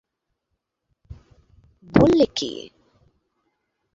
বললে, কী!